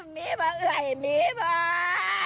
มีบอกเลยมีบอก